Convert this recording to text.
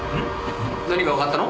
何がわかったの？